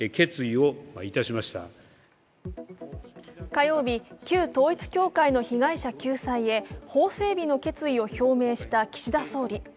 火曜日、旧統一教会の被害者救済へ、法整備の決意を表明した岸田総理。